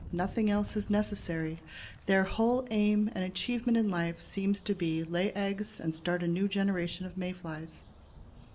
Nothing else is necessary; their whole aim and achievement in life seems to be to lay eggs and start a new generation of May flies.